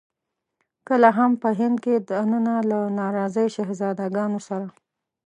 کله هم په هند کې دننه له ناراضي شهزاده ګانو سره.